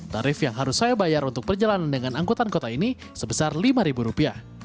tarif yang harus saya bayar untuk perjalanan dengan angkutan kota ini sebesar rp lima